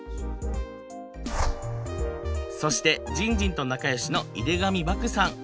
そしてじんじんと仲よしの井手上漠さん。